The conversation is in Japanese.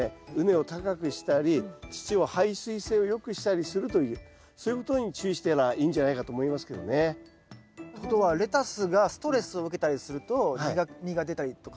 畝を高くしたり土を排水性を良くしたりするというそういうことに注意したらいいんじゃないかと思いますけどね。ってことはレタスがストレスを受けたりすると苦みが出たりとかするってことですか？